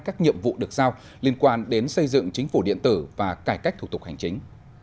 các nhiệm vụ được giao liên quan đến xây dựng chính phủ điện tử và cải cách thủ tục hành chính